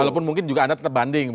walaupun mungkin juga anda tetap banding